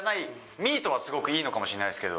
ミートはすごくいいのかもしれないですけど。